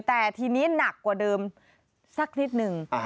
แต่ทีนี้หนักกว่าเดิมสักนิดนึง